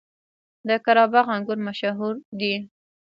د قره باغ انګور مشهور دي